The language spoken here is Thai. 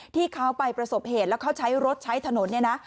ที่เขาไปประสบเหตุแล้วเขาใช้รถใช้ถนนเนี่ยนะ